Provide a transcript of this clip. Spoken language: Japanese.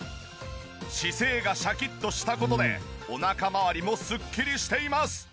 姿勢がシャキッとした事でお腹まわりもすっきりしています。